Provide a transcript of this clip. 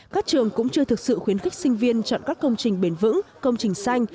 các trường cũng chưa thực sự khuyến khích sinh viên chọn các công trình bền vững công trình xanh